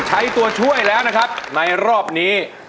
ตัวช่วยแล้วนะครับในรอบนี้